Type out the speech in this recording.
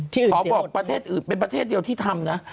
ที่อื่นเสียหมดอ๋อเป็นประเทศเดียวที่ทำนะ